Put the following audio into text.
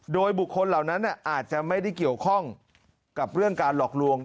โดยบุคคลเหล่านั้นอาจจะไม่ได้เกี่ยวข้องกับเรื่องการหลอกลวง